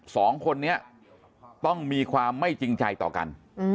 สองคนนี้ต้องมีความไม่จริงใจต่อกัน